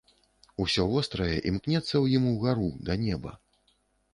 Усё вострае імкнецца ў ім угару, да неба.